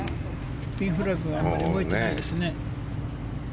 ピンフラッグがあまり動いてないですね。